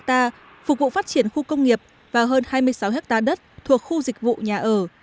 phục vụ phát triển khu công nghiệp và hơn hai mươi sáu hectare đất thuộc khu dịch vụ nhà ở